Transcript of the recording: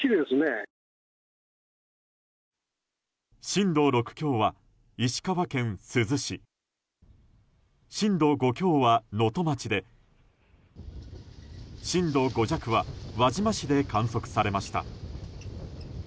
震度６強は石川県珠洲市震度５強は能登町で震度５弱は輪島市で観測されました。